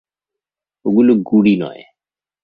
ওগুলো গুঁড়ি নয়।